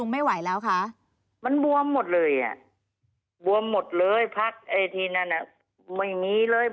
มันบวมหมดเลยบวมหมดเลยพักทีนั้นไม่มีเลย